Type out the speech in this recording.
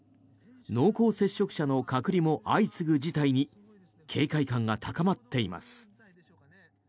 濃厚接触者の隔離も相次ぐ事態に警戒感が高まっています。